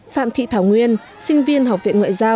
phạm thị thảo nguyên sinh viên học viện ngoại giao